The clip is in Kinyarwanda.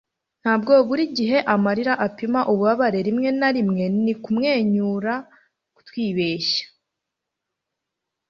ntabwo buri gihe amarira apima ububabare rimwe na rimwe ni kumwenyura twibeshya